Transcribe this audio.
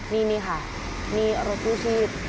นี่ค่ะนี่รถกู้ชีพ